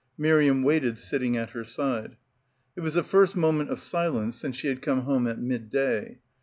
Miriam waited sitting at her side. It was the first moment of silence since she had come home at midday.